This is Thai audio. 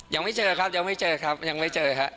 ยังไม่เจอครับยังไม่เจอครับยังไม่เจอครับ